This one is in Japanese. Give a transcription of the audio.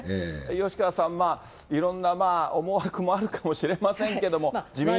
吉川さん、いろんな思惑もあるかもしれませんけれども。